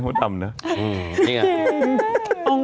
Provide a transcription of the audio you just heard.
พี่ใช่ไหม